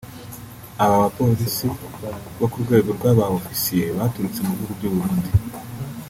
Aba bapolisi bo ku rwego rwa ba ofisiye baturutse mu bihugu by’u Burundi